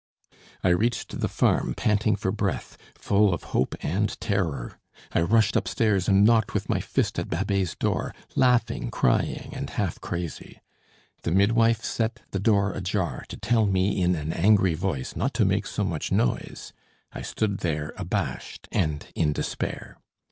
I reached the farm panting for breath, full of hope and terror. I rushed upstairs and knocked with my fist at Babet's door, laughing, crying, and half crazy. The midwife set the door ajar, to tell me in an angry voice not to make so much noise. I stood there abashed and in despair.